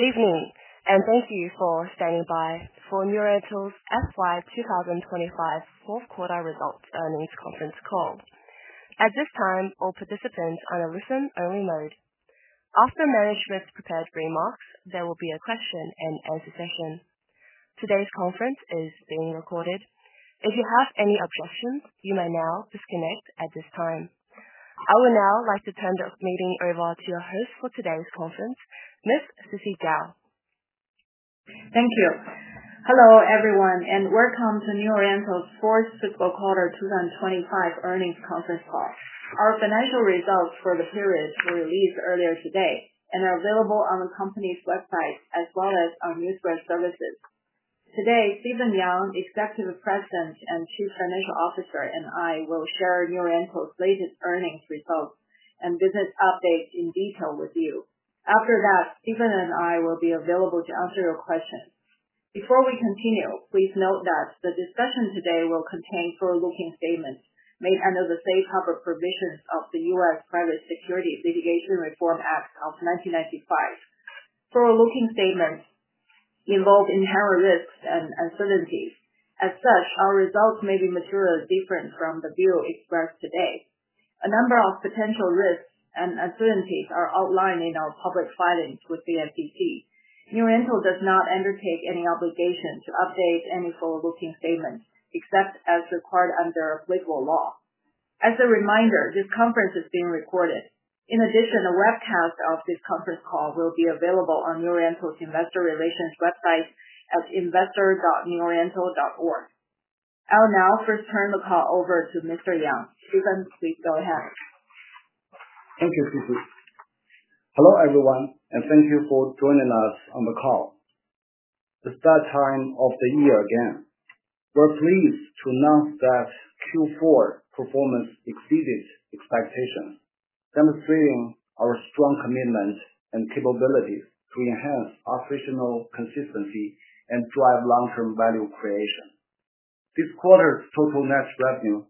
Good evening, and thank you for standing by for New Oriental's FY 2025 fourth quarter results earnings conference call. At this time, all participants are in a listen-only mode. After management's prepared remarks, there will be a question and answer session. Today's conference is being recorded. If you have any objections, you may now disconnect at this time. I would now like to turn the meeting over to our host for today's conference, Ms. Sisi Zhao. Thank you. Hello everyone, and welcome to New Oriental's fourth fiscal quarter 2025 earnings conference call. Our financial results for the period were released earlier today and are available on the company's website, as well as our newsletter services. Today, Stephen Yang, Executive President and Chief Financial Officer, and I will share New Oriental's latest earnings results and business updates in detail with you. After that, Stephen and I will be available to answer your questions. Before we continue, please note that the discussion today will contain forward-looking statements made under the safe harbor provisions of the U.S. Private Securities Litigation Reform Act of 1995. Forward-looking statements involve inherent risks and uncertainties. As such, our results may be materially different from the view expressed today. A number of potential risks and uncertainties are outlined in our public filings with the SEC. New Oriental does not undertake any obligation to update any forward-looking statements, except as required under applicable law. As a reminder, this conference is being recorded. In addition, a webcast of this conference call will be available on New Oriental's investor relations website at investor.neworiental.org. I will now first turn the call over to Mr. Yang. Stephen, please go ahead. Thank you, Sisi. Hello everyone, and thank you for joining us on the call. It's that time of the year again. We're pleased to announce that Q4 performance exceeded expectations, demonstrating our strong commitment and capabilities to enhance operational consistency and drive long-term value creation. This quarter's total net revenue,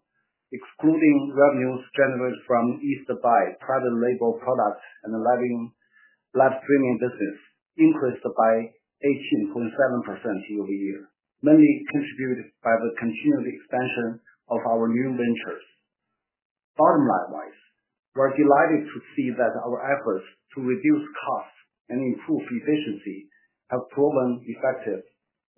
excluding revenues generated from East Buy private label products and live streaming business, increased by 18.7% year-over-year, mainly contributed by the continued expansion of our new ventures. Bottom line-wise, we're delighted to see that our efforts to reduce costs and improve efficiency have proven effective,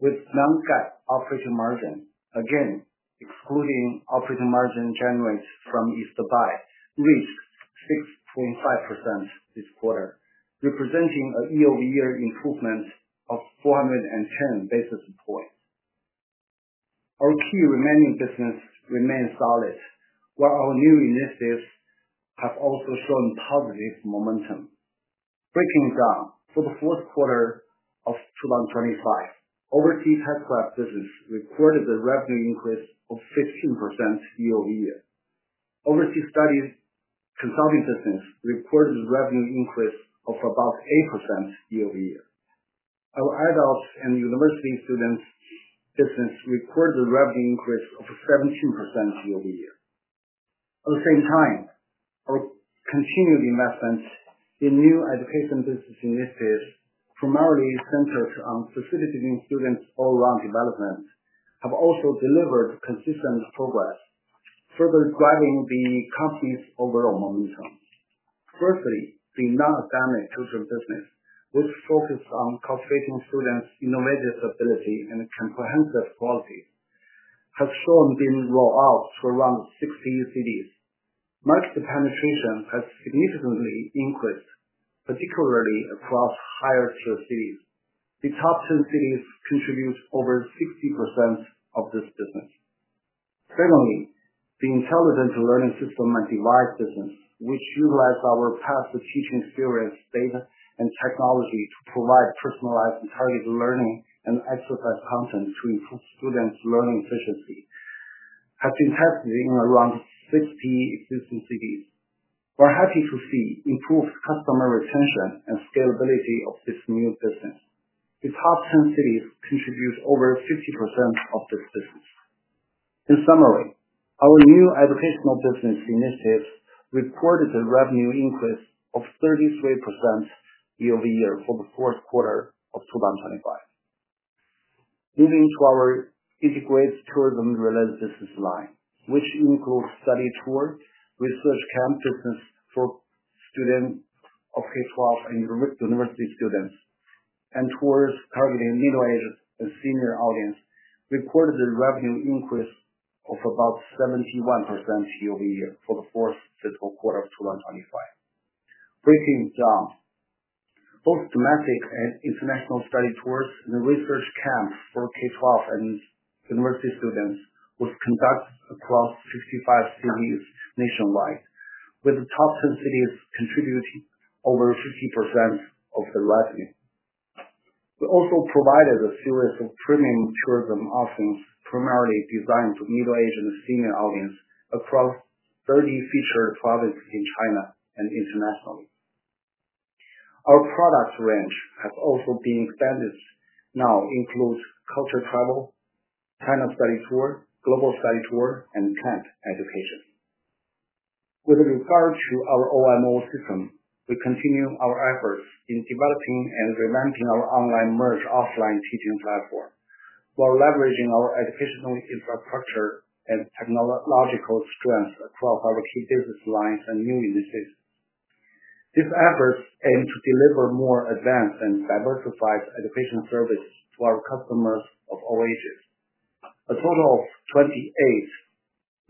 with non-GAAP operating margins, again, excluding operating margins generated from East Buy, reached 6.5% this quarter, representing a year-over-year improvement of 410 basis points. Our key remaining business remains solid, while our new initiatives have also shown positive momentum. Breaking down, for the fourth quarter of 2025, overseas healthcare business reported a revenue increase of 15% year-over-year. Overseas study consulting business reported a revenue increase of about 8% year-over-year. Our adults and university students business reported a revenue increase of 17% year-over-year. At the same time, our continued investments in new education business initiatives, primarily centered on facilitating students' all-around development, have also delivered consistent progress, further driving the company's overall momentum. Firstly, the non-academic cultural business, which focuses on cultivating students' innovative ability and comprehensive qualities, has shown to be rolled out to around 60 cities. Market penetration has significantly increased, particularly across higher-tier cities. The top 10 cities contribute over 60% of this business. Secondly, the intelligent learning system and device business, which utilizes our past teaching experience, data, and technology to provide personalized and targeted learning and exercise content to improve students' learning efficiency, has been tested in around 60 existing cities. We're happy to see improved customer retention and scalability of this new business. The top 10 cities contribute over 50% of this business. In summary, our new educational business initiatives reported a revenue increase of 33% year-over-year for the fourth quarter of 2025. Moving to our integrated tourism-related business line, which includes study tours, research camp business for students of K-12 and university students, and tours targeting the middle-aged and senior audience, reported a revenue increase of about 71% year-over-year for the fourth fiscal quarter of 2025. Breaking down, both domestic and international study tours and research camps for K-12 and university students were conducted across 65 cities nationwide, with the top 10 cities contributing over 50% of the revenue. We also provided a series of premium tourism offerings, primarily designed for the middle-aged and senior audience, across 30 featured provinces in China and internationally. Our product range has also been expanded to now include culture travel, China study tour, global study tour, and tent education. With regard to our OMO system, we continue our efforts in developing and revamping our online merged offline teaching platform, while leveraging our educational infrastructure and technological strengths across our key business lines and new initiatives. These efforts aim to deliver more advanced and diversified education services to our customers of all ages. A total of $28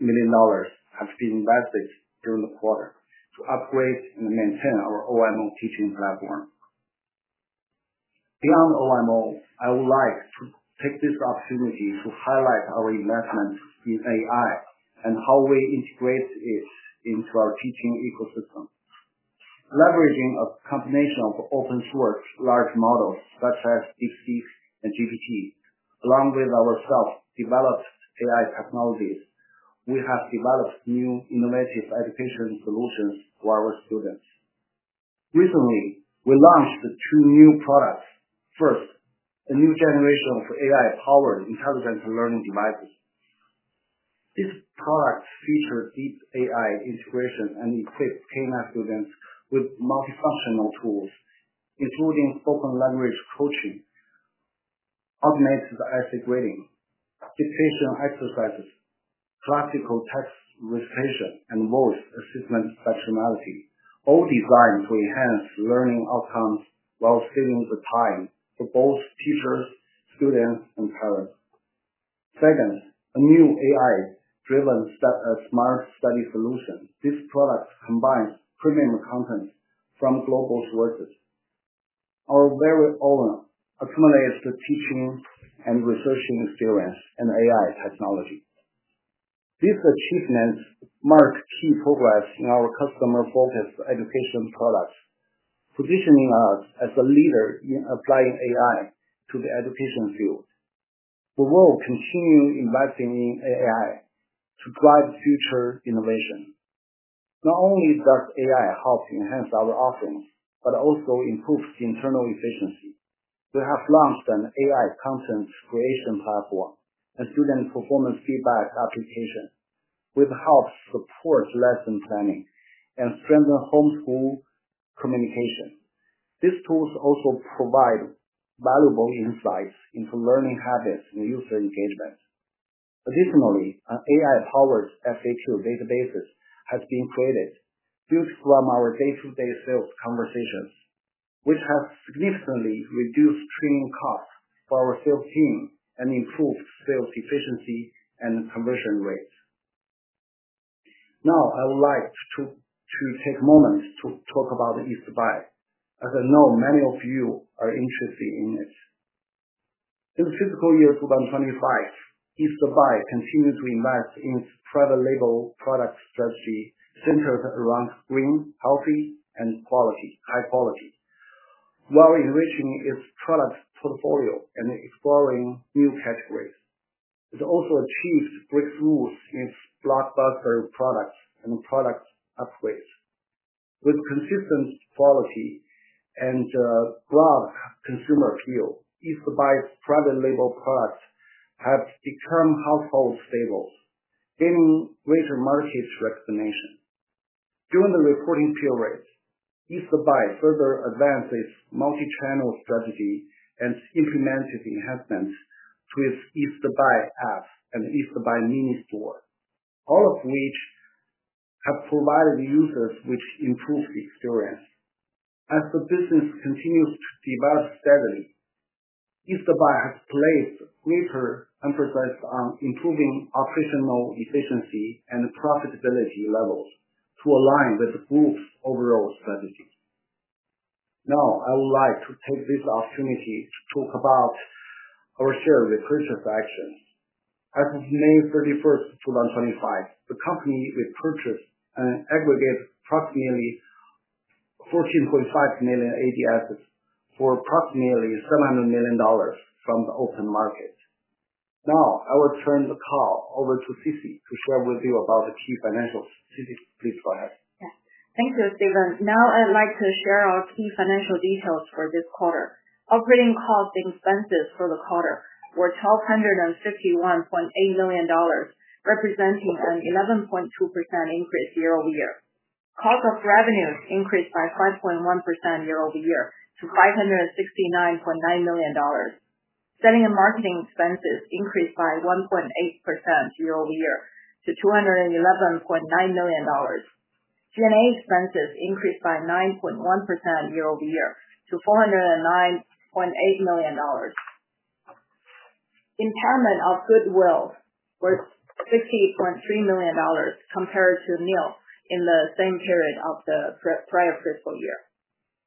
million has been invested during the quarter to upgrade and maintain our OMO teaching platform. Beyond OMO, I would like to take this opportunity to highlight our investments in AI and how we integrate it into our teaching ecosystem. Leveraging a combination of open-source large models such as DeepSeek and GPT, along with our self-developed AI technologies, we have developed new innovative education solutions for our students. Recently, we launched two new products. First, a new generation of AI-powered intelligent learning devices. These products feature deep AI integration and equip K9 students with multifunctional tools, including spoken language coaching, automated essay grading, dictation exercises, classical text recitation, and voice assistant functionality, all designed to enhance learning outcomes while saving the time for both teachers, students, and parents. Second, a new AI-driven smart study solution. This product combines premium content from global sources. Our very own accumulated teaching and researching experience and AI technology. These achievements mark key progress in our customer-focused education products, positioning us as a leader in applying AI to the education field. We will continue investing in AI to drive future innovation. Not only does AI help enhance our offerings, but it also improves internal efficiency. We have launched an AI content creation platform and student performance feedback application, which helps support lesson planning and strengthen homeschool communication. These tools also provide valuable insights into learning habits and user engagement. Additionally, an AI-powered FAQ database has been created, built from our day-to-day sales conversations, which has significantly reduced training costs for our sales team and improved sales efficiency and conversion rates. Now, I would like to take a moment to talk about East Buy, as I know many of you are interested in it. In the fiscal year 2025, East Buy continues to invest in its private label product strategy, centered around green, healthy, and high quality, while enriching its product portfolio and exploring new categories. It also achieves breakthroughs in its blockbuster products and product upgrades. With consistent quality and a broad consumer appeal, East Buy's private label products have become household staples, gaining greater market recognition. During the reporting period, East Buy further advanced its multi-channel strategy and implemented enhancements to its East Buy app and East Buy mini store, all of which have provided users with improved experience. As the business continues to develop steadily, East Buy has placed greater emphasis on improving operational efficiency and profitability levels to align with the group's overall strategy. Now, I would like to take this opportunity to talk about our share repurchase actions. As of May 31, 2025, the company repurchased and aggregated approximately 14.5 million ADS for approximately $700 million from the open market. Now, I will turn the call over to Sisi to share with you about the key financials. Sisi, please go ahead. Thank you, Stephen. Now, I'd like to share our key financial details for this quarter. Operating cost expenses for the quarter were $1,251.8 million, representing an 11.2% increase year-over-year. Cost of revenues increased by 5.1% year-over-year to $569.9 million. Selling and marketing expenses increased by 1.8% year-over-year to $211.9 million. G&A expenses increased by 9.1% year-over-year to $409.8 million. Impairment of goodwill was $60.3 million compared to nil in the same period of the prior fiscal year.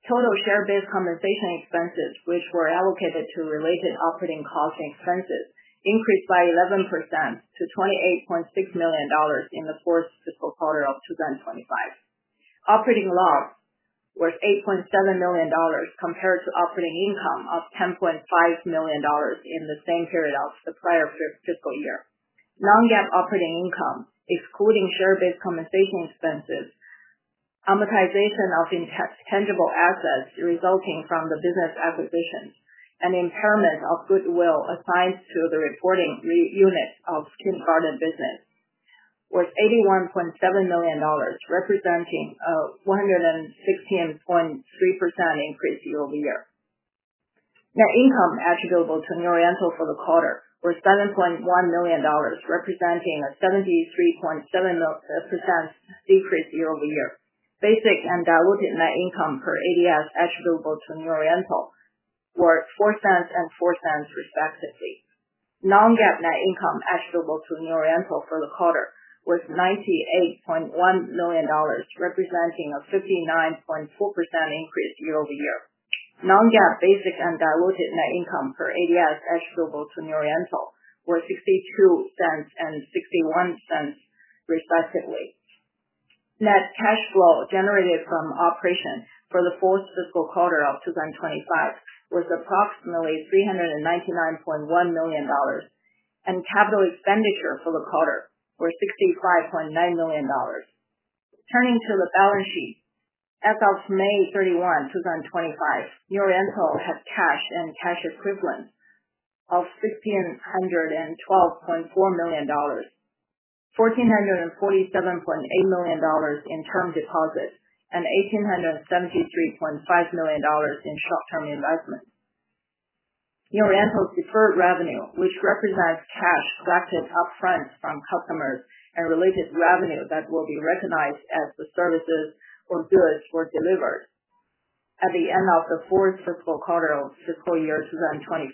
Total share-based compensation expenses, which were allocated to related operating costs and expenses, increased by 11% to $28.6 million in the fourth fiscal quarter of 2025. Operating loss was $8.7 million compared to operating income of $10.5 million in the same period of the prior fiscal year. Non-GAAP operating income, excluding share-based compensation expenses, amortization of intangible assets resulting from the business acquisitions, and impairment of goodwill assigned to the reporting unit of kindergarten business, was $81.7 million, representing a 116.3% increase year-over-year. Net income attributable to New Oriental for the quarter was $7.1 million, representing a 73.7% decrease year-over-year. Basic and diluted net income per ADS attributable to New Oriental were $0.04 and $0.04, respectively. Non-GAAP net income attributable to New Oriental for the quarter was $98.1 million, representing a 59.4% increase year-over-year. Non-GAAP basic and diluted net income per ADS attributable to New Oriental were $0.62 and $0.61, respectively. Net cash flow generated from operations for the fourth fiscal quarter of 2025 was approximately $399.1 million, and capital expenditure for the quarter was $65.9 million. Turning to the balance sheet, as of May 31, 2025, New Oriental had cash and cash equivalents of $1,612.4 million, $1,447.8 million in term deposits, and $1,873.5 million in short-term investments. New Oriental's deferred revenue, which represents cash collected upfront from customers and related revenue that will be recognized as the services or goods are delivered at the end of the fourth fiscal quarter of fiscal year 2025,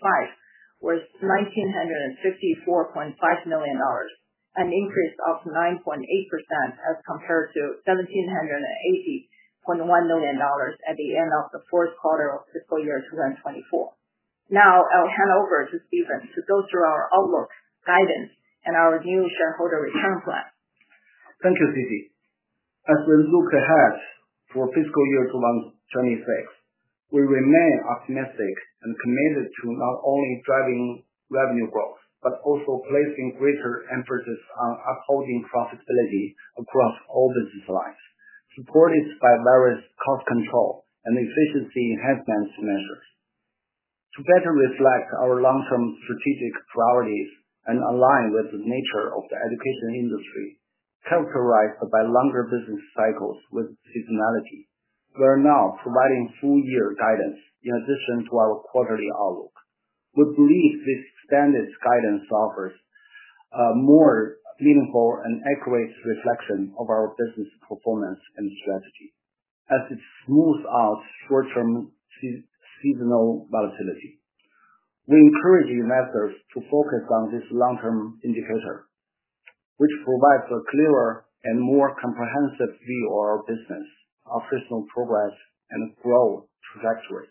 was $1,954.5 million, an increase of 9.8% as compared to $1,780.1 million at the end of the fourth quarter of fiscal year 2024. Now, I'll hand over to Stephen to go through our outlook, guidance, and our new shareholder return plan. Thank you, Sisi. As we look ahead for fiscal year 2026, we remain optimistic and committed to not only driving revenue growth but also placing greater emphasis on upholding profitability across all business lines, supported by various cost control and efficiency enhancement measures. To better reflect our long-term strategic priorities and align with the nature of the education industry, characterized by longer business cycles with seasonality, we're now providing full-year guidance in addition to our quarterly outlook. We believe this standard guidance offers a more meaningful and accurate reflection of our business performance and strategy, as it smooths out short-term seasonal volatility. We encourage investors to focus on this long-term indicator, which provides a clearer and more comprehensive view of our business, operational progress, and growth trajectory.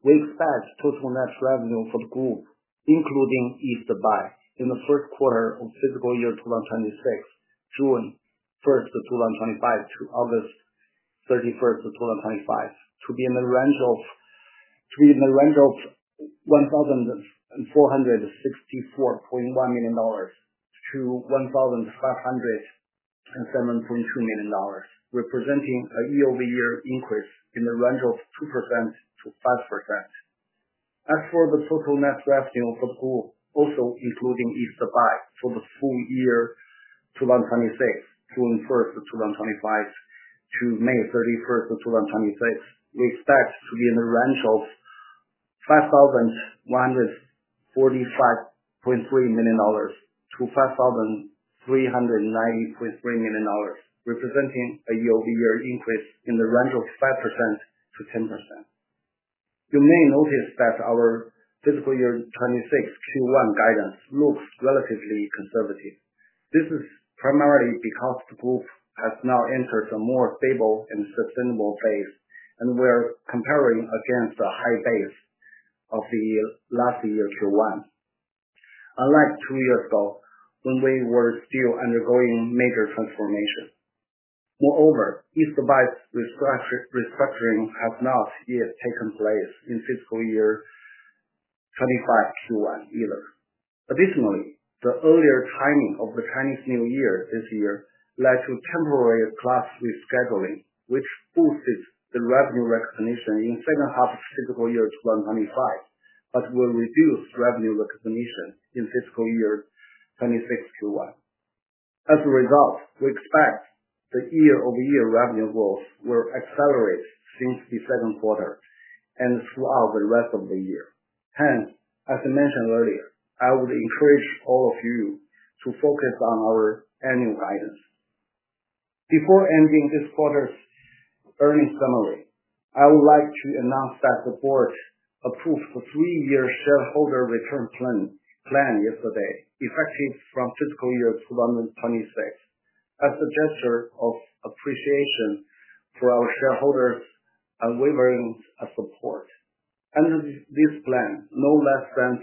We expect total net revenue for the group, including East Buy, in the first quarter of fiscal year 2026, June 1, 2025, to August 31, 2025, to be in the range of $1,464.1 million-$1,507.2 million, representing a year-over-year increase in the range of 2%-5%. As for the total net revenue for the group, also including East Buy, for the full year 2026, June 1, 2025, to May 31, 2026, we expect to be in the range of $5,145.3 million-$5,390.3 million, representing a year-over-year increase in the range of 5% to 10%. You may notice that our fiscal year 2026 Q1 guidance looks relatively conservative. This is primarily because the group has now entered a more stable and sustainable phase, and we're comparing against a high base of the last year Q1, unlike two years ago when we were still undergoing major transformation. Moreover, East Buy's restructuring has not yet taken place in fiscal year 2025 Q1 either. Additionally, the earlier timing of the Chinese New Year this year led to temporary class rescheduling, which boosted the revenue recognition in the second half of fiscal year 2025, but will reduce revenue recognition in fiscal year 2026 Q1. As a result, we expect the year-over-year revenue growth will accelerate since the second quarter and throughout the rest of the year. Hence, as I mentioned earlier, I would encourage all of you to focus on our annual guidance. Before ending this quarter's earnings summary, I would like to announce that the board approved the three-year shareholder return plan yesterday, effective from fiscal year 2026, as a gesture of appreciation for our shareholders' unwavering support. Under this plan, no less than 50%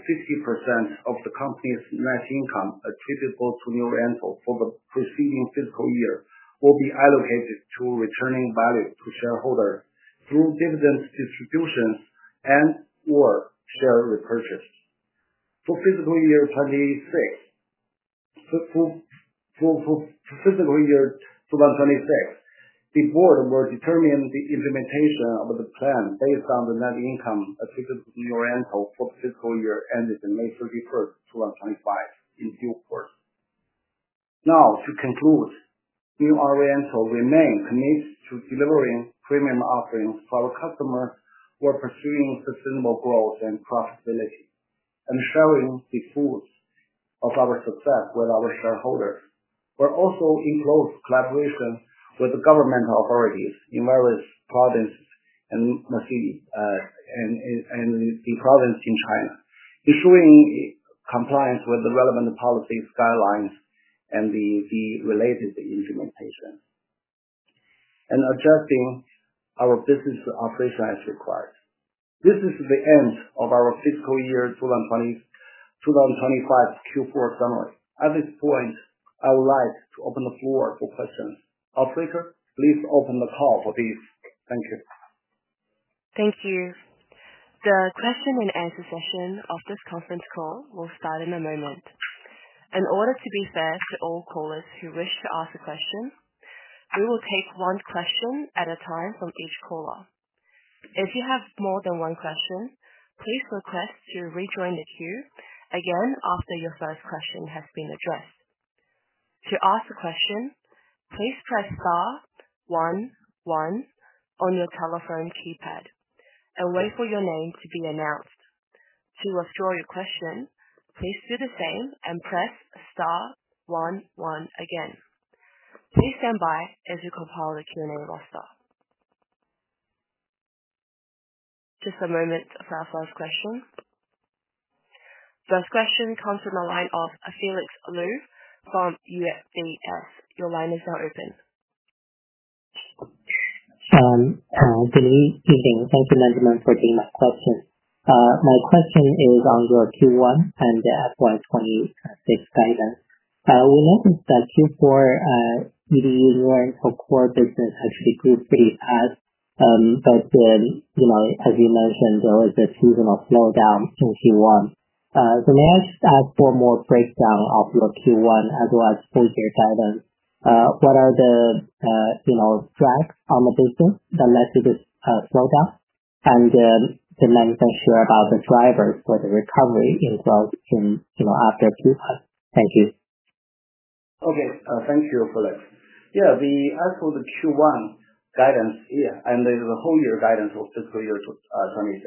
of the company's net income attributable to New Oriental for the preceding fiscal year will be allocated to returning value to shareholders through dividends distributions and/or share repurchase. For fiscal year 2026, the board will determine the implementation of the plan based on the net income attributed to New Oriental for the fiscal year ended on May 31, 2025, in due course. Now, to conclude, New Oriental remains committed to delivering premium offerings for our customers who are pursuing sustainable growth and profitability and sharing the fruits of our success with our shareholders. We are also in close collaboration with the government authorities in various provinces and cities in China, ensuring compliance with the relevant policies, guidelines, and the related implementation, and adjusting our business operation as required. This is the end of our fiscal year 2025 Q4 summary. At this point, I would like to open the floor for questions. Off record, please open the call for these. Thank you. Thank you. The question and answer session of this conference call will start in a moment. In order to be fair to all callers who wish to ask a question, we will take one question at a time from each caller. If you have more than one question, please request to rejoin the queue again after your first question has been addressed. To ask a question, please press star one, one on your telephone keypad and wait for your name to be announced. To withdraw your question, please do the same and press star one, one again. Please stand by as we compile the Q&A roster. Just a moment for our first question. First question comes from the line of Felix Liu from USDS. Your line is now open. Thank you, Mr. Management, for the question. My question is on your Q1 and the FY 2026 guidance. We noticed that Q4, EDU New Oriental core business has recruited pretty fast. As you mentioned, there was a seasonal slowdown in Q1. May I just ask for a more breakdown of your Q1 as well as full-year guidance? What are the, you know, strikes on the business that led to this slowdown? The management share about the drivers for the recovery in growth in, you know, after Q1. Thank you. Okay, thank you for that. Yeah, as for the Q1 guidance, yeah, and there's a whole year guidance for fiscal year 2026.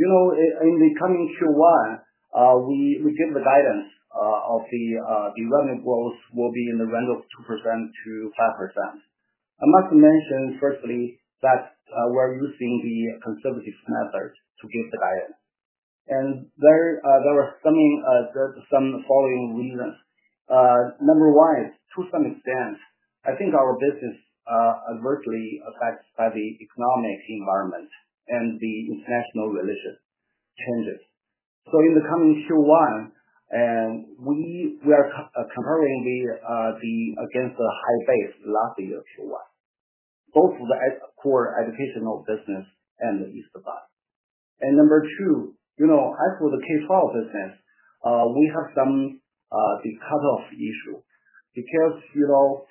You know, in the coming Q1, we give the guidance of the revenue growth will be in the range of 2% to 5%. I must mention, firstly, that we're using the conservative method to give the guidance. There are some following reasons. Number one, to some extent, I think our business is greatly affected by the economic environment and the international relations changes. In the coming Q1, we are comparing against the high base last year Q1, both for the core educational business and the East Buy. Number two, as for the K-12 business, we have some cutoff issue because, you know,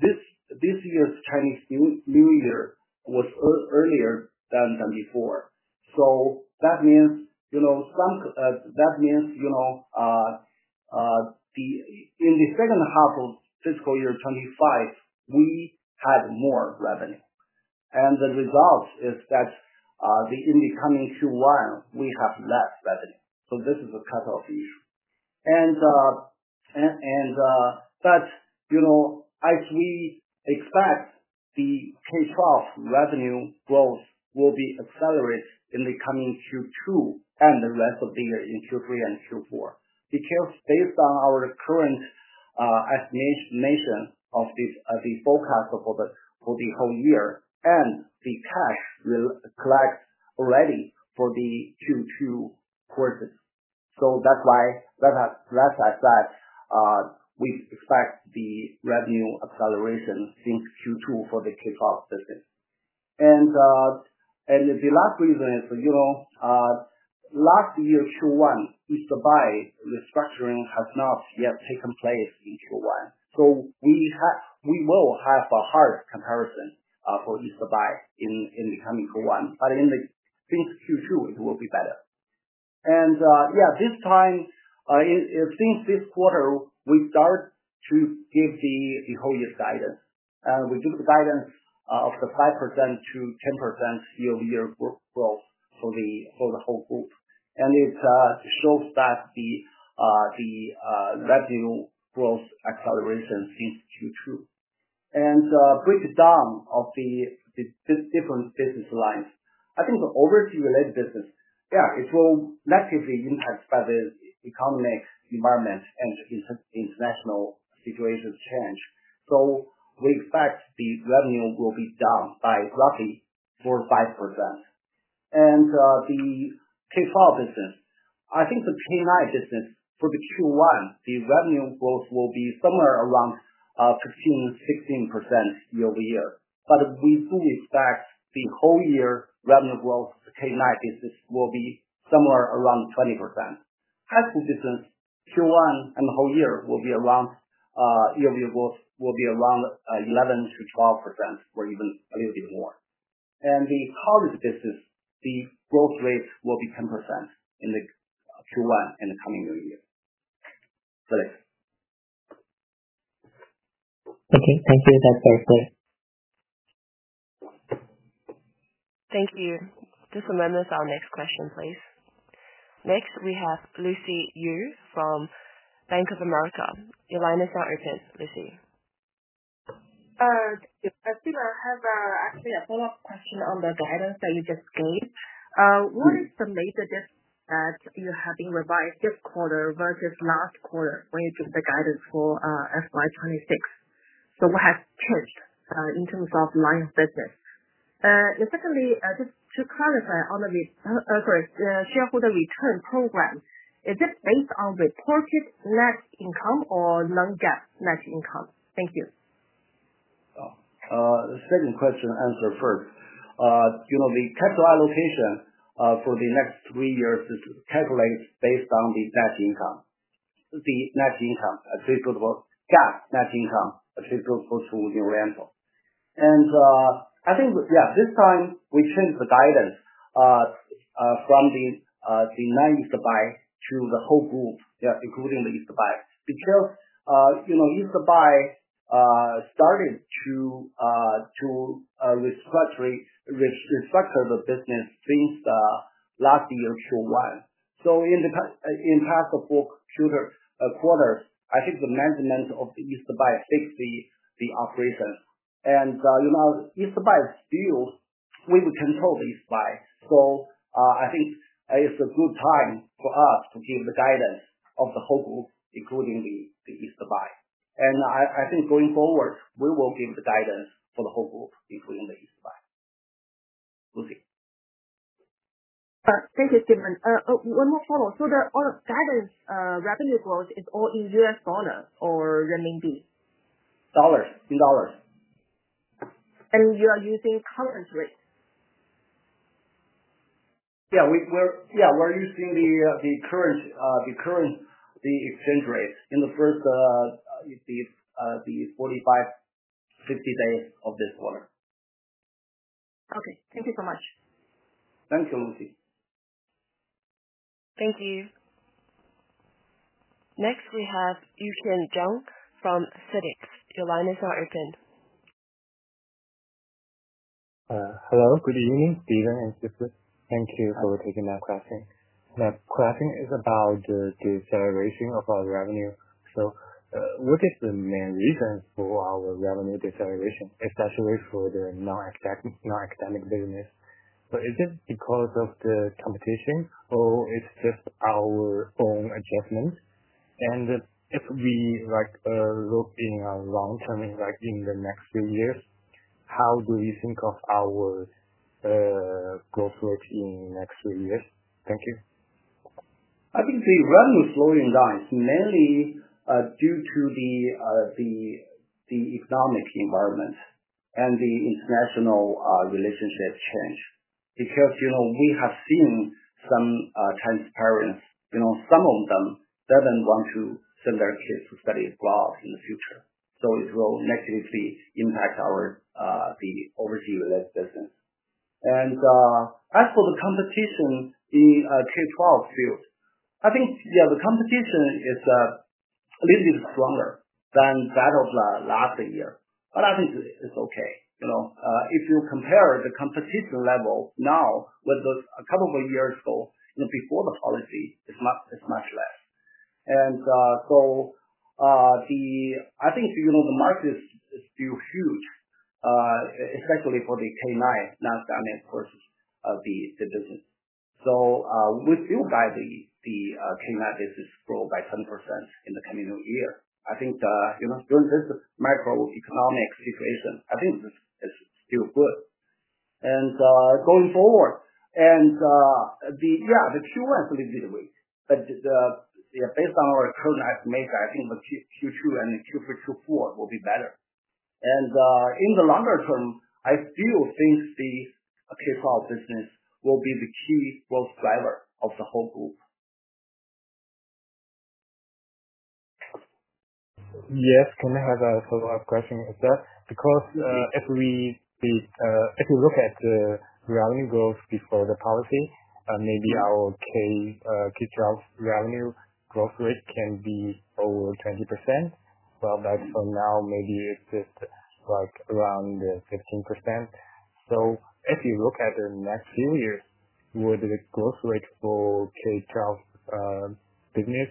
this year's Chinese New Year was earlier than before. That means, in the second half of fiscal year 2025, we had more revenue. The result is that in the coming Q1, we have less revenue. This is a cutoff issue. As we expect, the K-12 revenue growth will be accelerated in the coming Q2 and the rest of the year in Q3 and Q4 because based on our current estimation of the forecast for the whole year and the cash collect already for the Q2 quarter. That's why, like I said, we expect the revenue acceleration since Q2 for the K-12 business. The last reason is, last year Q1, East Buy restructuring has not yet taken place in Q1. We will have a hard comparison for East Buy in the coming Q1. Since Q2, it will be better. This time, since this quarter, we start to give the whole year's guidance. We give the guidance of the 5%-10% year-over-year growth for the whole group. It shows that the revenue growth acceleration since Q2. Breakdown of the different business lines, I think the overseas related business, yeah, it will negatively impact by the economic environment and international situation change. We expect the revenue will be down by roughly 4% or 5%. The K-12 business, I think the K9 business for the Q1, the revenue growth will be somewhere around 15%, 16% year-over-year. We do expect the whole year revenue growth, the K9 business will be somewhere around 20%. High school business, Q1 and the whole year will be around, year-over-year growth will be around 11%-12% or even a little bit more. The college business, the growth rate will be 10% in the Q1 in the coming year. Okay, thank you. That's very clear. Thank you. Just a moment. Our next question, please. Next, we have Lucy Yu from Bank of America. Your line is now open, Lucy. Stephen, I have actually a follow-up question on the guidance that you just gave. What is the major difference that you have revised this quarter versus last quarter when you give the guidance for FY 2026? What has changed in terms of line of business? Secondly, just to clarify on the shareholder return program, is it based on reported net income or non-GAAP net income? Thank you. The second question answered first. You know, the capital allocation for the next three years is calculated based on the net income, the net income attributable GAAP net income attributable to New Oriental. I think, yeah, this time we changed the guidance from the, the non-East Buy to the whole group, yeah, including the East Buy because, you know, East Buy started to restructure the business since the last year Q1. In the past four quarters, I think the management of the East Buy fixed the operations. You know, East Buy is still, we would control the East Buy. I think it's a good time for us to give the guidance of the whole group, including the East Buy. I think going forward, we will give the guidance for the whole group, including the East Buy. Lucy. Thank you, Stephen. Oh, one more follow-up. The guidance, revenue growth is all in U.S. dollars or renminbi? Dollars, in dollars. Are you using current rates? Yeah, we're using the current exchange rates in the first 45, 50 days of this quarter. Okay, thank you so much. Thank you, Lucy. Thank you. Next, we have [Yuchen Zhong from Citic]. Your line is now open. Hello. Good evening, Stephen and Sisi. Thank you for taking that question. The question is about the deceleration of our revenue. What is the main reason for our revenue deceleration, especially for the non-academic business? Is it because of the competition, or it's just our own adjustment? If we look in our long term, like in the next three years, how do you think of our growth rate in the next three years? Thank you. I think the revenue slowing down is mainly due to the economic environment and the international relationship change because, you know, we have seen some, transparents, you know, some of them doesn't want to send their kids to study abroad in the future. It will negatively impact our overseas related business. As for the competition in K-12 field, I think the competition is a little bit stronger than that of last year. I think it's okay. You know, if you compare the competition level now with a couple of years ago, you know, before the policy, it's much less. I think the market is still huge, especially for the K9 non-academic versus the business. We feel the K9 business growth by 10% in the coming year. I think, you know, during this macro-economic situation, I think this is still good. Going forward, the Q1 is a little bit weak. Based on our current estimation, I think the Q2 and the Q3, Q4 will be better. In the longer term, I still think the K-12 business will be the key growth driver of the whole group. Yes. Can I have a follow-up question? Is that because, if you look at the revenue growth before the policy, maybe our K-12 revenue growth rate can be over 20%. For now, maybe it's just like around 15%. If you look at the next few years, would the growth rate for K-12 business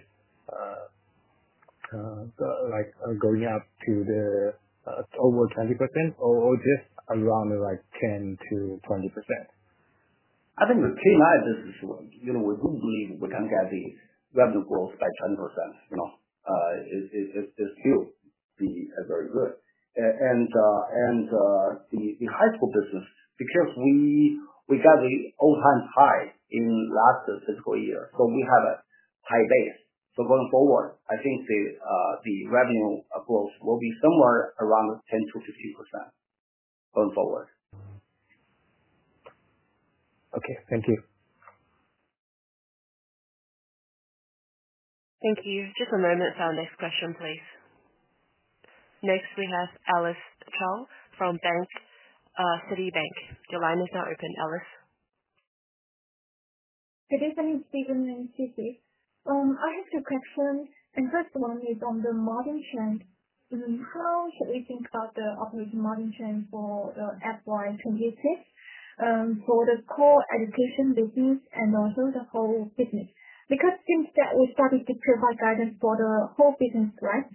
be going up to over 20% or just around 10%-20%? I think the K9 business, you know, we do believe we're going to get the revenue growth by 10%. It's still very good. The high school business, because we got the all-time high in last fiscal year, we have a high base. Going forward, I think the revenue growth will be somewhere around 10%-15% going forward. Okay, thank you. Thank you. Just a moment for our next question, please. Next, we have Alice Tsai from Citibank. Your line is now open, Alice. Good evening, Stephen and Sisi. I have two questions. The first one is on the modern trend. How should we think about the upcoming modern trend for FY 2026 for the core education business and also the whole business? Since we started to provide guidance for the whole business, right?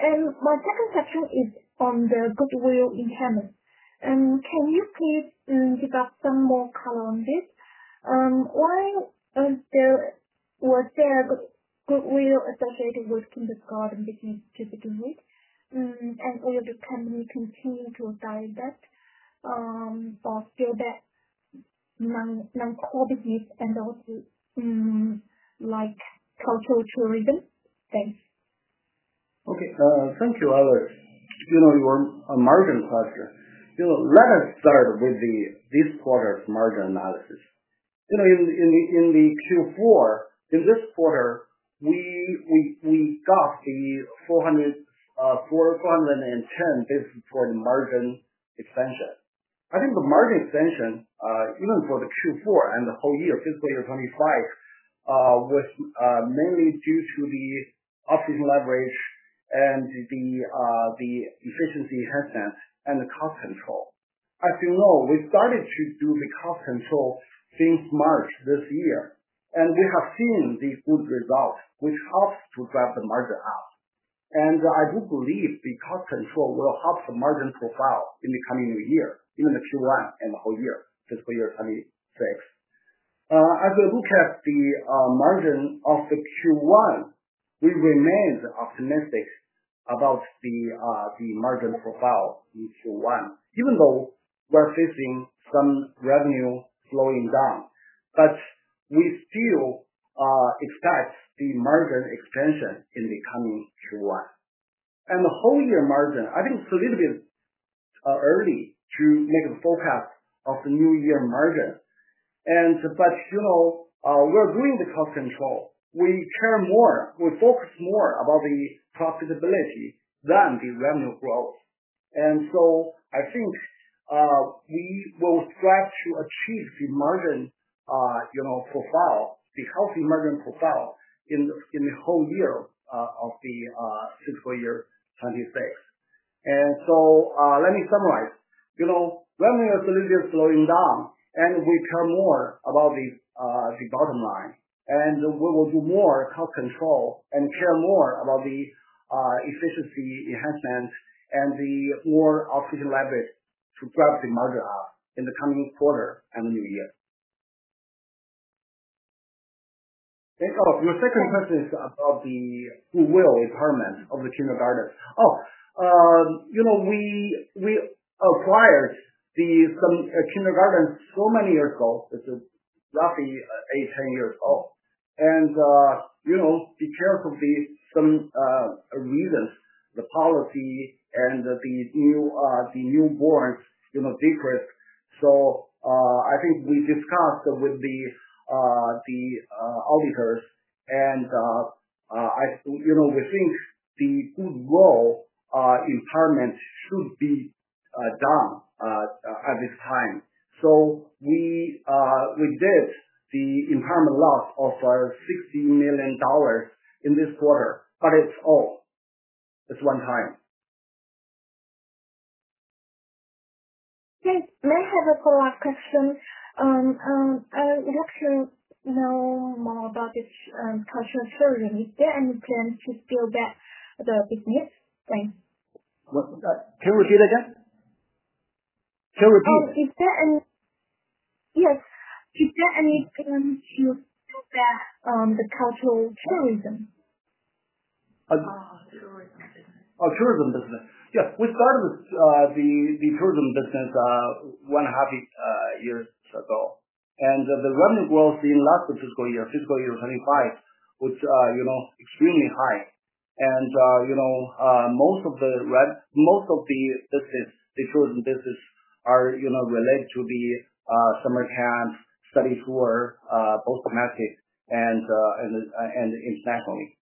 My second question is on the goodwill inheritance. Can you please give us some more color on this? Why was there a goodwill associated with the kindergarten business to begin with? Will the company continue to acquire that, or fill that non-core business and also, like, cultural tourism space? Okay. Thank you, Alice. You know, you're a margin cluster. Let us start with this quarter's margin analysis. In the Q4, in this quarter, we got the 410 basis for the margin expansion. I think the margin expansion, even for the Q4 and the whole year, fiscal year 2025, was mainly due to the operating leverage and the efficiency enhancement and the cost control. As you know, we started to do the cost control since March this year. We have seen the good results, which helps to drive the margin up. I do believe the cost control will help the margin profile in the coming new year, even the Q1 and the whole year, fiscal year 2026. As we look at the margin of the Q1, we remain optimistic about the margin profile in Q1, even though we're facing some revenue slowing down. We still expect the margin expansion in the coming Q1. The whole year margin, I think it's a little bit early to make a forecast of the new year margin. We're doing the cost control. We care more. We focus more about the profitability than the revenue growth. I think we will strive to achieve the margin profile, the healthy margin profile in the whole year of the fiscal year 2026. Let me summarize. Revenue is a little bit slowing down, and we care more about the bottom line. We will do more cost control and care more about the efficiency enhancement and the more operating leverage to drive the margin up in the coming quarter and the new year. Thank you. Your second question is about the goodwill impairment of the kindergarten. We acquired some kindergarten so many years ago. It's roughly 8, 10 years ago. Because of some reasons, the policy and the newborn decrease. I think we discussed with the auditors. I think the goodwill impairment should be done at this time. We did the impairment loss of $60 million in this quarter. It's one time. Yes. May I have a follow-up question? I would like to know more about this cultural tourism. Is there any plan to bring back the business? Thanks. Can you repeat? Can you repeat? Is there any plan to fill back the cultural tourism? Oh, tourism business. Yes. We started with the tourism business one and a half years ago. The revenue growth in last fiscal year, fiscal year 2025, was extremely high. Most of the tourism business is related to summer camps, study tour, both domestic and internationally.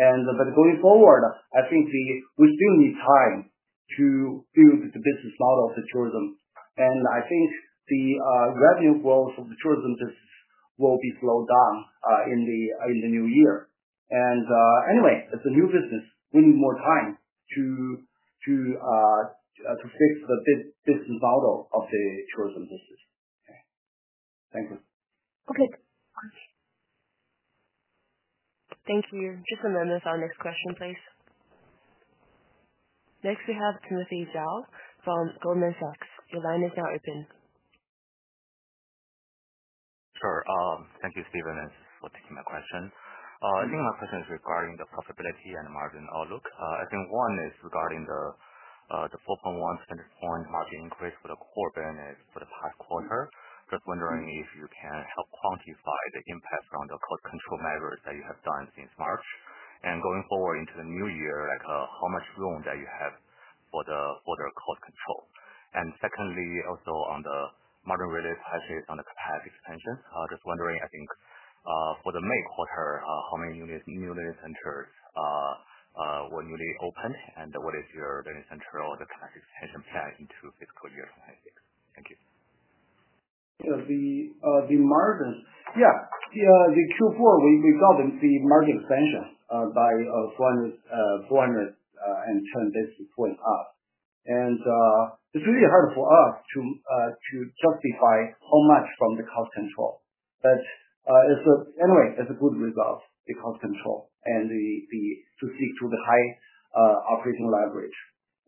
Going forward, I think we still need time to build the business model of the tourism. I think the revenue growth of the tourism business will be slowed down in the new year. Anyway, it's a new business. We need more time to fix the business model of the tourism business. Okay. Thank you. Okay. Thank you. Just a moment for our next question, please. Next, we have Timothy Zhao from Goldman Sachs. Your line is now open. Sure. Thank you, Stephen, for taking my question. I think my question is regarding the profitability and the margin outlook. I think one is regarding the 4.1%-10% margin increase for the core business for the past quarter. Just wondering if you can help quantify the impact from the cost control measures that you have done since March. Going forward into the new year, how much room do you have for the cost control? Secondly, also on the modern related practice on the capacity expansion, just wondering, I think, for the May quarter, how many new learning centers were newly opened? What is your learning center or the capacity expansion plan into fiscal year 2026? Thank you. Yeah. The margin, yeah. In Q4, we got the margin expansion, by 410 basis points up. It's really hard for us to justify how much from the cost control. It's a good result, the cost control, and to seek to the high operating leverage.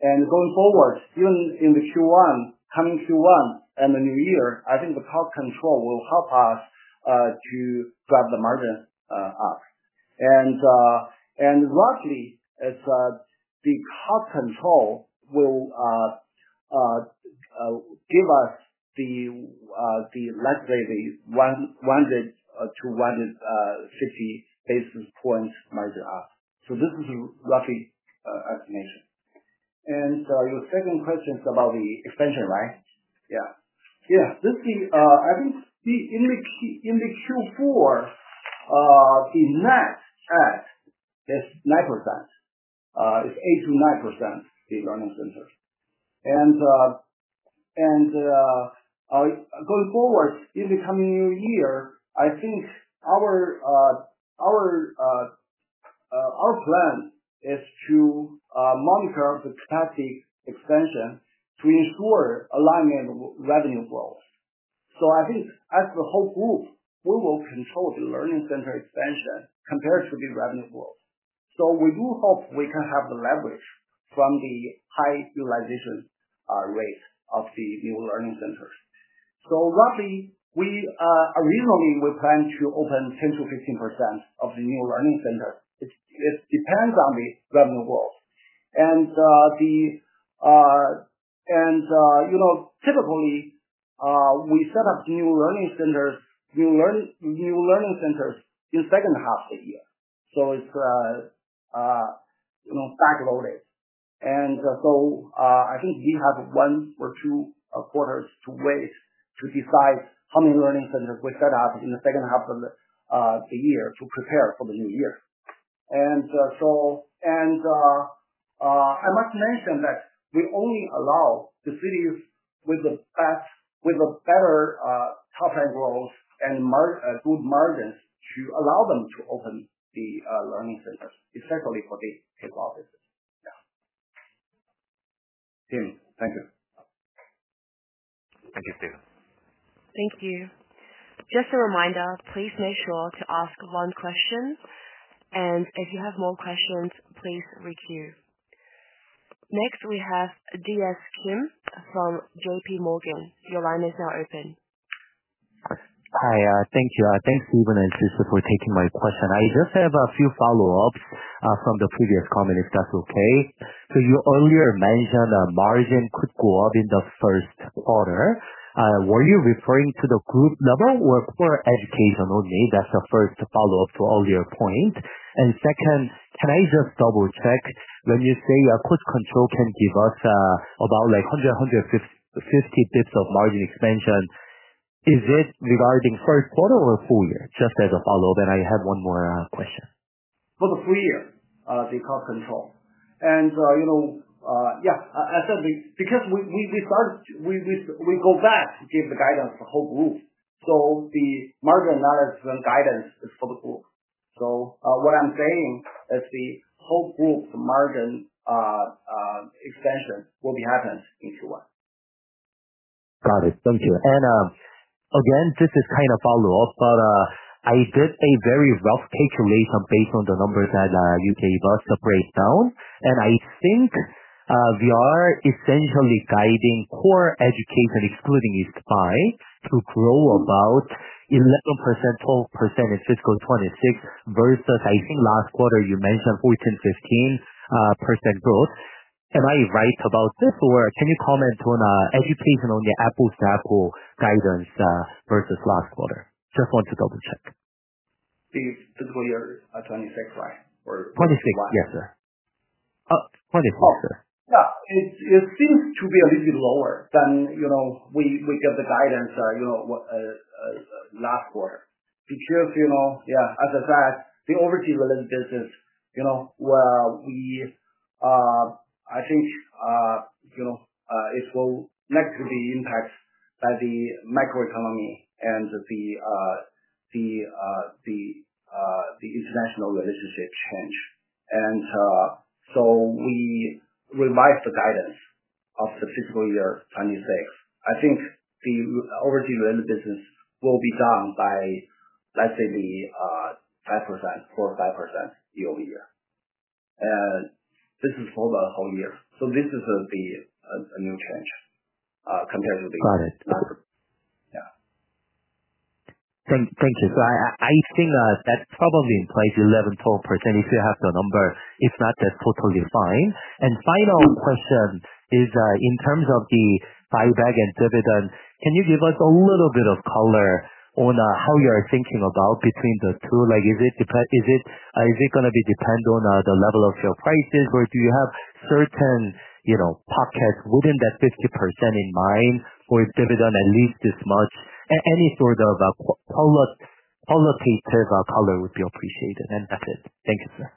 Going forward, even in Q1, coming Q1 and the new year, I think the cost control will help us to drive the margin up. Roughly, the cost control will give us, let's say, the 100-150 basis points margin up. This is a rough estimation. Your second question is about the expansion, right? Yeah. In Q4, the net add is 9%. It's 8%-9%, the learning center. Going forward in the coming new year, I think our plan is to monitor the capacity expansion to ensure alignment with revenue growth. As the whole group, we will control the learning center expansion compared to the revenue growth. We do hope we can have the leverage from the high utilization rate of the new learning centers. Roughly, we originally plan to open 10%-15% of the new learning centers. It depends on the revenue growth. Typically, we set up new learning centers in the second half of the year, so it's backloaded. I think we have one or two quarters to wait to decide how many learning centers we set up in the second half of the year to prepare for the new year. I must mention that we only allow the cities with the better, top-end growth and good margins to allow them to open the learning centers, especially for the K-12 business. Yeah. Team, thank you. Thank you, Stephen. Thank you. Just a reminder, please make sure to ask one question. If you have more questions, please recue. Next, we have DS Kim from JPMorgan. Your line is now open. Hi. Thank you. Thanks, Stephen and Sisi, for taking my question. I just have a few follow-ups from the previous comment, if that's okay. You earlier mentioned the margin could go up in the first quarter. Were you referring to the group level or for education only? That's the first follow-up to the earlier point. Second, can I just double-check when you say cost control can give us about like 100, 150 bps of margin expansion, is it regarding first quarter or full year? Just as a follow-up. I have one more question. For the full year, the cost control. I said because we started, we go back to give the guidance to the whole group. The margin analysis and guidance is for the group. What I'm saying is the whole group margin expansion will be happening in Q1. Got it. Thank you. This is kind of follow-up, but I did a very rough calculation based on the numbers that you gave us, the breakdown. I think we are essentially guiding core education, excluding East Buy, to grow about 11%, 12% in fiscal 2026 versus, I think last quarter you mentioned 14%, 15% growth. Am I right about this, or can you comment on education on the apples-to-apples guidance versus last quarter? Just want to double-check. The fiscal year 2026, right? Or? '26. Yes, sir. Oh, 2026, sir. Yeah. It seems to be a little bit lower than, you know, we give the guidance, you know, last quarter. Because, you know, as I said, the overseas related business, you know, where we, I think, you know, it will be negatively impacted by the macroeconomic and the international relationship change. We revise the guidance of the fiscal year 2026. I think the overseas related business will be down by, let's say, 4%-5% year-over-year. This is for the whole year. This is a new change, compared to the. Got it. Yeah. Thank you. I think that's probably in place, 11%-12%. If you have the number, if not, that's totally fine. Final question is, in terms of the buyback and dividend, can you give us a little bit of color on how you are thinking about between the two? Is it going to be dependent on the level of your prices, or do you have certain pockets within that 50% in mind, or dividend at least this much? Any sort of qualitative color would be appreciated. That's it. Thank you, sir.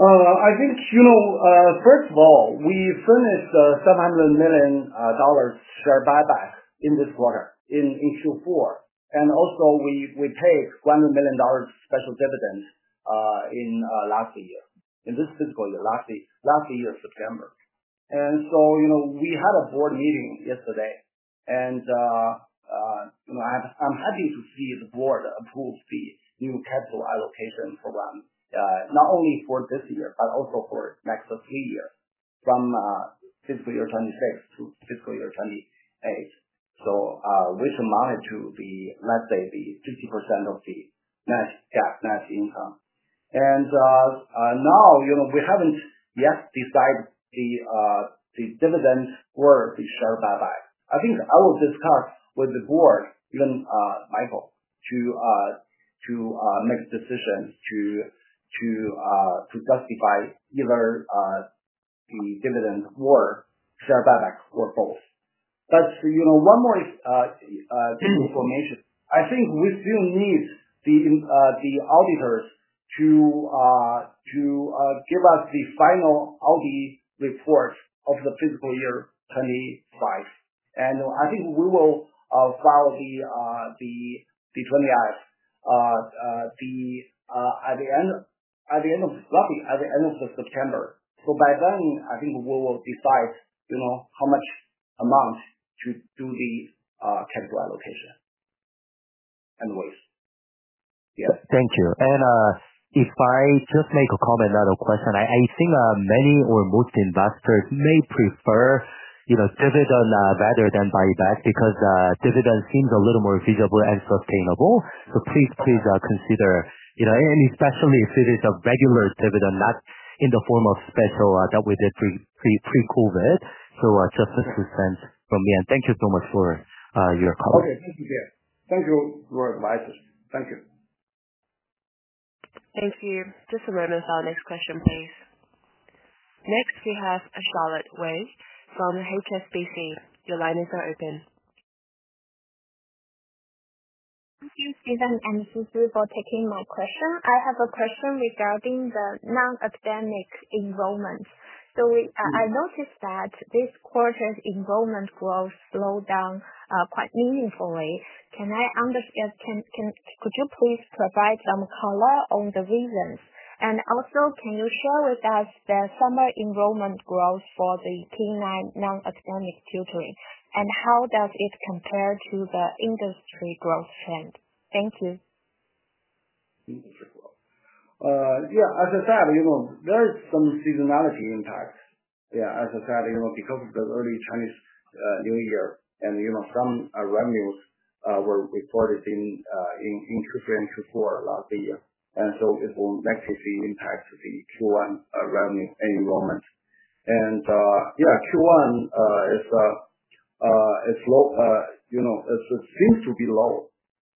I think, you know, first of all, we finished the $700 million share buyback in this quarter, in Q4. We also paid a $100 million special dividend in this fiscal year, last year's September. We had a board meeting yesterday. I'm happy to see the board approve the new capital allocation program, not only for this year, but also for the next three years, from fiscal year 2026 to fiscal year 2028, which amounted to 50% of the GAAP net income. Now, you know, we haven't yet decided the dividends or the share buyback. I think I will discuss with the board, even, Michael, to make a decision to justify either the dividends or share buyback or both. One more information. I think we still need the auditors to give us the final audit report of the fiscal year 2025. I think we will file at the end, roughly at the end of September. By then, I think we will decide how much amount to do the capital allocation and waste. Thank you. If I just make a comment on a question, I think many or most investors may prefer, you know, dividend rather than buyback because the dividend seems a little more visible and sustainable. Please consider, you know, and especially if it is a regular dividend, not in the form of special, that we did pre-COVID. Just a few cents from me. Thank you so much for your comment. Okay. Thank you. Thank you. Thank you. Just a moment for our next question, please. Next, we have Charlotte Wei from HSBC. Your line is now open. Thank you, Stephen and Sisi, for taking my question. I have a question regarding the non-academic enrollment. I noticed that this quarter's enrollment growth slowed down quite meaningfully. Can I understand, could you please provide some color on the reasons? Also, can you share with us the summer enrollment growth for the K9 non-academic tutoring? How does it compare to the industry growth trend? Thank you. Industry growth. Yeah. As I said, you know, there is some seasonality impact. Yeah. As I said, you know, because of the early Chinese New Year, and you know, some revenues were reported in Q3 and Q4 last year. It will negatively impact the Q1 revenue and enrollment. Yeah, Q1 is, it's low, you know, it seems to be low.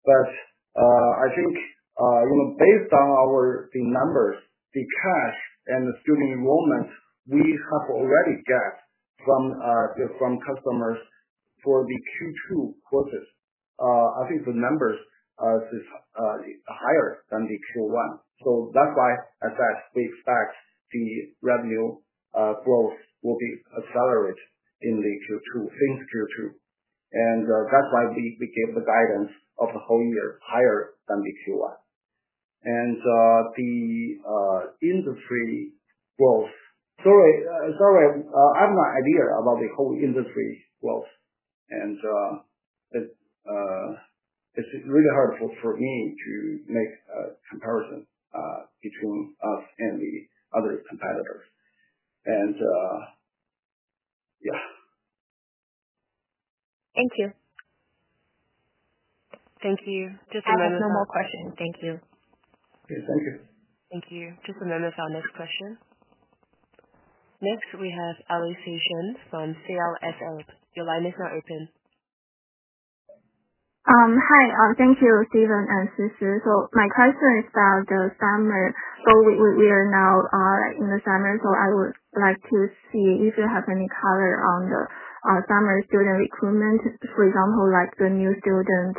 I think, you know, based on the numbers, the cash and the student enrollment we have already got from customers for the Q2 quarters, I think the numbers is higher than the Q1. That's why I said we expect the revenue growth will be accelerated in the Q2, finish Q2. That's why we gave the guidance of the whole year higher than the Q1. The industry growth, sorry, I have no idea about the whole industry growth. It's really hard for me to make a comparison between us and the other competitors. Yeah. Thank you. Thank you. Just a moment. I have no more questions. Thank you. Okay. Thank you. Thank you. Just a moment for our next question. Next, we have Yiran Shen from CLSA. Your line is now open. Hi. Thank you, Stephen and Sisi. My question is about the summer. We are now in the summer, and I would like to see if you have any color on the summer student recruitment, for example, like the new student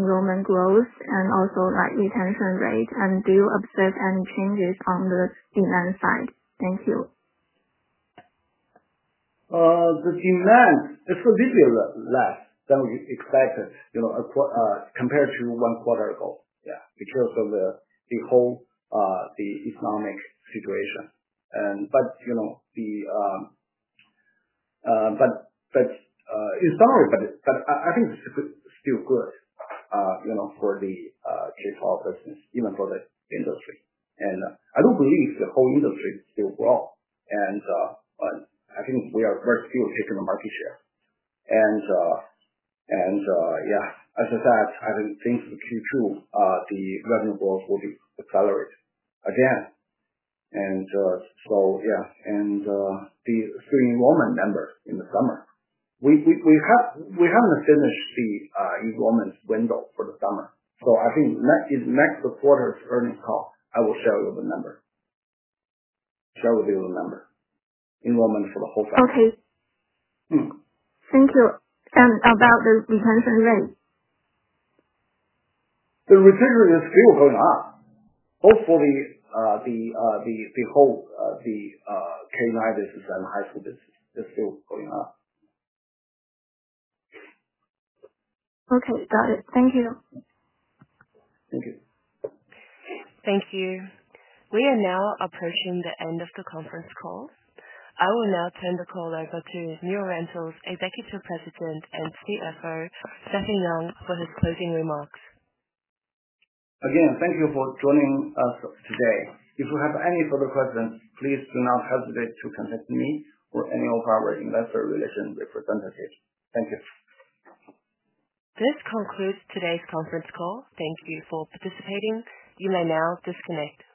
enrollment growth and also retention rate. Do you observe any changes on the demand side? Thank you. The demand is a little bit less than we expected, you know, compared to one quarter ago, because of the whole economic situation. In summary, I think it's still good for the K-12 business, even for the industry. I do believe the whole industry is still growing. I think we are still taking the market share. As I said, I think since Q2, the revenue growth will be accelerated again. The student enrollment numbers in the summer, we haven't finished the enrollment window for the summer. I think in the next quarter's earnings call, I will share with you the numbers, share with you the numbers, enrollment for the whole family. Okay, thank you. About the retention rate? The retention rate is still going up. Both for the whole K9 business and the high school business, it is still going up. Okay. Got it. Thank you. Thank you. Thank you. We are now approaching the end of the conference call. I will now turn the call over to New Oriental's Executive President and CFO, Stephen Yang, for his closing remarks. Again, thank you for joining us today. If you have any further questions, please do not hesitate to contact me or any of our Investor Relations representatives. Thank you. This concludes today's conference call. Thank you for participating. You may now disconnect.